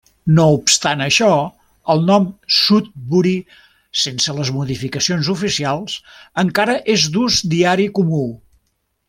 No obstant això, el nom Sudbury, sense les modificacions oficials, encara és d'ús diari comú.